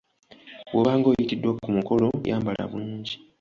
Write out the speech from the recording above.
Bw’obanga oyitiddwa ku mukolo yambala bulungi.